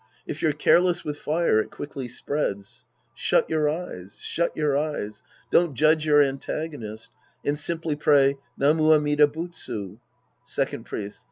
If you're careless with fire, it quickly spreads. Shut your eyes. Shut your eyes. Don't judge your antagonist. And simply pray, " Namu Amida Butsu." Second Priest.